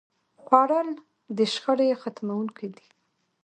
خوړل د شخړې ختموونکی دی